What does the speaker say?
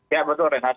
ya betul renat